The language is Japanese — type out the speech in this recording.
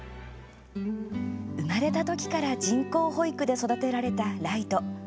生まれた時から人工哺育で育てられたライト。